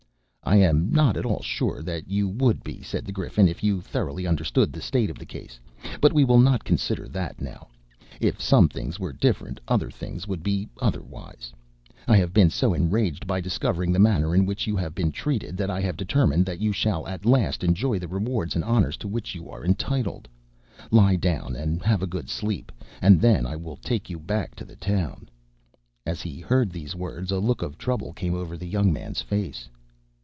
"I am not at all sure that you would be," said the Griffin, "if you thoroughly understood the state of the case, but we will not consider that now. If some things were different, other things would be otherwise. I have been so enraged by discovering the manner in which you have been treated that I have determined that you shall at last enjoy the rewards and honors to which you are entitled. Lie down and have a good sleep, and then I will take you back to the town." As he heard these words, a look of trouble came over the young man's face.